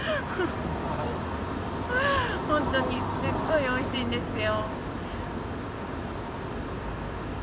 ホントにすっごいおいしいんですよ。